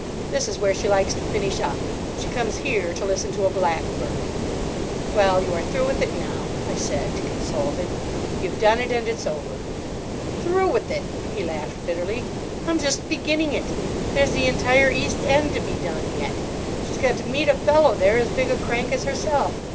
"This is where she likes to finish up. She comes here to listen to a blackbird." "Well, you are through with it now," I said to console him. "You've done it; and it's over." "Through with it!" he laughed bitterly. "I'm just beginning it. There's the entire East End to be done yet: she's got to meet a fellow there as big a crank as herself.